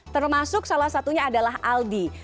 termasuk salah satunya adalah aldi